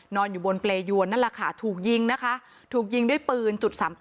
นอนอยู่บนเปรยวนนั่นแหละค่ะถูกยิงนะคะถูกยิงด้วยปืน๓๘